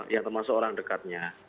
yang termasuk orang dekatnya